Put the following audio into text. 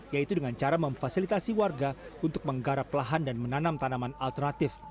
yaitu dengan cara memfasilitasi warga untuk menggarap lahan dan menanam tanaman alternatif